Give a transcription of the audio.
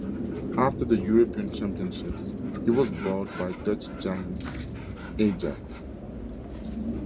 After the European Championships he was bought by Dutch giants Ajax.